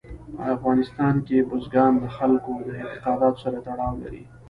په افغانستان کې بزګان د خلکو د اعتقاداتو سره تړاو لري.